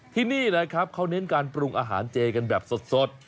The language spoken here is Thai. ที่นี่นะครับเขาเน้นการปรุงอาหารเจกันแบบสด